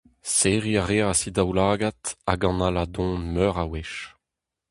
Serriñ a reas he daoulagad hag analañ don meur a wech.